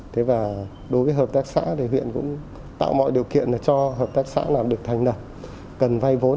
thế và đối với hợp tác xã thì huyện cũng tạo mọi điều kiện cho hợp tác xã được thành lập cần vay vốn